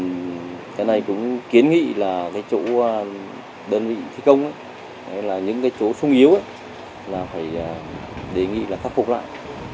bây giờ cái này cũng kiến nghị là chỗ đơn vị thi công những chỗ sung yếu là phải đề nghị khắc phục lại